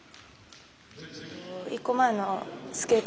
１個前のスケート